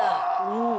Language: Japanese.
うん。